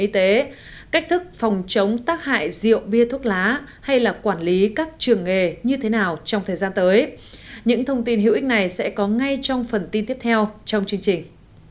trong thời gian tới những thông tin hữu ích này sẽ có ngay trong phần tin tiếp theo trong chương trình